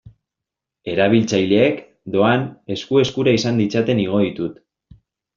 Erabiltzaileek, doan, esku-eskura izan ditzaten igo ditut.